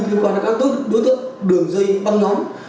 liên quan đến các tốt đối tượng đường dây băng nhóm